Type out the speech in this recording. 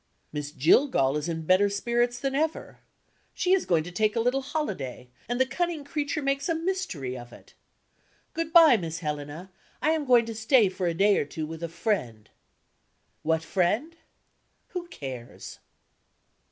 Miss Jillgall is in better spirits than ever. She is going to take a little holiday; and the cunning creature makes a mystery of it. "Good by, Miss Helena. I am going to stay for a day or two with a friend." What friend? Who cares?